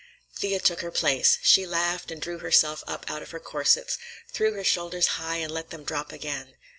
Thea took her place. She laughed and drew herself up out of her corsets, threw her shoulders high and let them drop again.